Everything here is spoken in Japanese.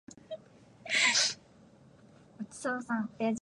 五月雨をあつめてやばしドナウ川